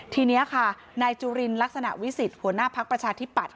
ทีนี้ค่ะนายจุรินร์ลักษณะวิสิตผัวหน้าภาคประชาธิปัตร